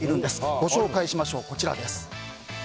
ご紹介しましょう。